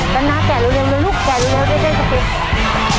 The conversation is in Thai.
กันนะแก่เร็วเร็วเร็วลูกแก่เร็วเร็วเร็วเร็ว